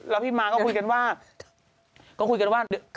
แล้วพี่มาร์ก็คุยกันว่า